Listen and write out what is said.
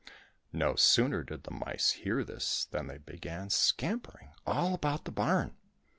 " No sooner did the mice hear this than they began scampering all about the barn